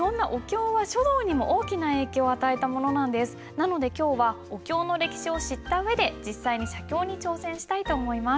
なので今日はお経の歴史を知った上で実際に写経に挑戦したいと思います。